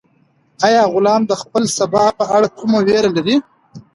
آیا غلام د خپل سبا په اړه کومه وېره لرله؟